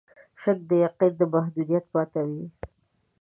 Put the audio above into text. شک د یقین د محدودیت ماتوي.